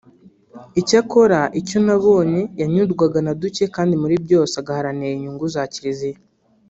icyakora icyo nabonye yanyurwaga na duke kandi muri byose agaharanira inyungu za Kiliziya